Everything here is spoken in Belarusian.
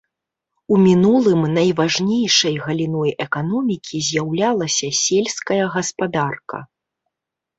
У мінулым найважнейшай галіной эканомікі з'яўлялася сельская гаспадарка.